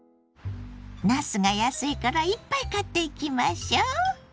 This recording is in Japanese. なすが安いからいっぱい買っていきましょう！